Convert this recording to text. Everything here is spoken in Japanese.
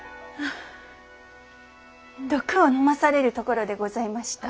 あ毒を飲まされるところでございました。